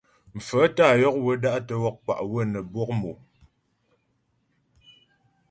Mfaə́ tá yɔk wə́ da'tə́ wɔk kwá ywə́ nə́ bwɔk mò.